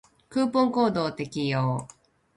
クーポンコードを適用